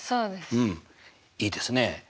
うんいいですね。